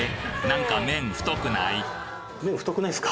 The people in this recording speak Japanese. なんか麺太くない？